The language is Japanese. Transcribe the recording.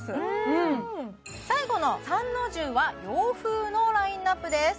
うん最後の参之重は洋風のラインナップです